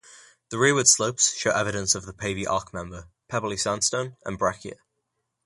The rearward slopes show evidence of the Pavey Ark Member, pebbly sandstone and breccia.